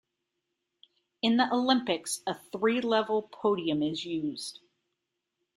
In the Olympics a three-level podium is used.